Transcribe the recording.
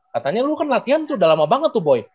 katanya lu kan latihan tuh udah lama banget tuh boy